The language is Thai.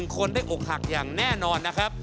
คนได้อกหักอย่างแน่นอนนะครับ